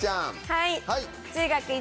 はい。